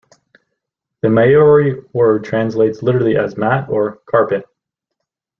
The Maori word translates literally as "Mat" or "Carpet".